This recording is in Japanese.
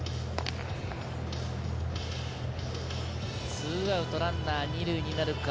２アウトランナー２塁になるか。